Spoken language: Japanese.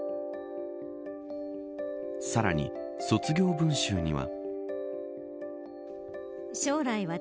さらに卒業文集には。